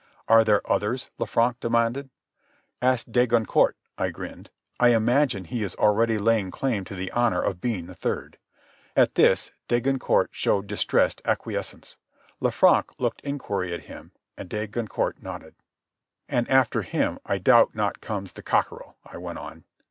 "Are there others?" Lanfranc demanded. "Ask de Goncourt," I grinned. "I imagine he is already laying claim to the honour of being the third." At this, de Goncourt showed distressed acquiescence. Lanfranc looked inquiry at him, and de Goncourt nodded. "And after him I doubt not comes the cockerel," I went on.